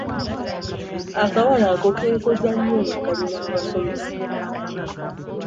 Akawala ako keekoza nnyo nga kali n'abasomesa.